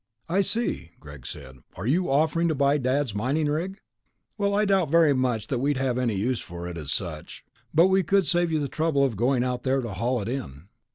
"I see," Greg said. "Are you offering to buy Dad's mining rig?" "Well, I doubt very much that we'd have any use for it, as such. But we could save you the trouble of going out there to haul it in."